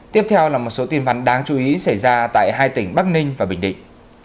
tiếp theo là một số tin bắn đáng chú ý xảy ra tại hai tỉnh bắc ninh và bình định